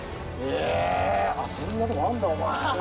えー、そんなとこあんだ、お前。